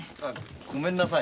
ごめんなさい。